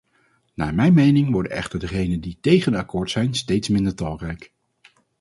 Naar mijn mening worden echter degenen die tegen een akkoord zijn steeds minder talrijk.